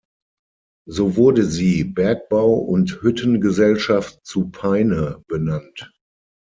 So wurde sie „Bergbau- und Hütten-Gesellschaft zu Peine“ benannt.